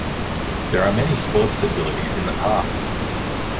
There are many sports facilities in the park.